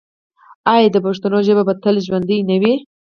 آیا د پښتنو ژبه به تل ژوندی نه وي؟